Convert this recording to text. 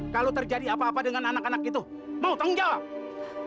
kalau terjadi apa apa dengan anak anak itu mau tanggung jawab